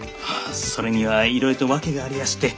それにはいろいろと訳がありやして。